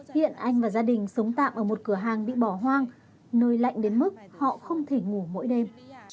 hiện anh và gia đình sống tạm ở một cửa hàng bị bỏ hoang nơi lạnh đến mức họ không thể ngủ mỗi đêm